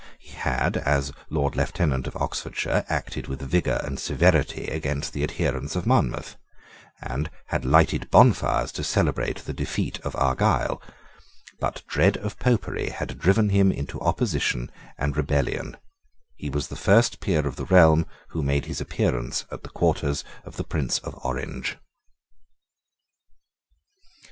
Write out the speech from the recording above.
He had, as Lord Lieutenant of Oxfordshire, acted with vigour and severity against the adherents of Monmouth, and had lighted bonfires to celebrate the defeat of Argyle. But dread of Popery had driven him into opposition and rebellion. He was the first peer of the realm who made his appearance at the quarters of the Prince of Orange.